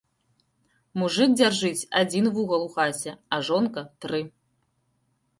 Мужык дзяржыць адзiн вугал у хаце, а жонка — тры